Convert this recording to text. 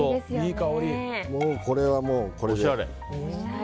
これはもう、これで。